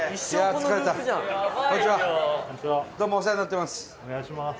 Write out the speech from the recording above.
富澤：お願いします。